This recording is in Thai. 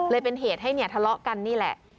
เลยเป็นเหตุให้ทะเลาะกันนี่แหละ